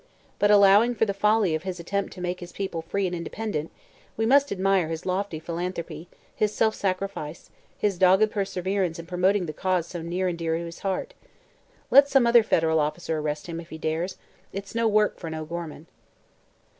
But, allowing for the folly of his attempt to make his people free and independent, we must admire his lofty philanthropy, his self sacrifice, his dogged perseverence in promoting the cause so near and dear to his heart. Let some other federal officer arrest him, if he dares; it's no work for an O'Gorman."